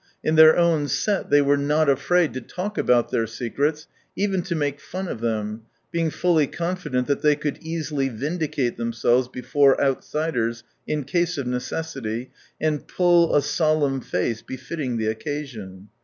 In their own set they were not afraid to talk about their secrets, even to make fun of them, being fully confident that they could easily vindicate themselves before outsiders, in case of necessity, and pull a solemn face befitting the occasion.